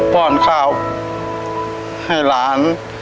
้อนข้าวให้หลาน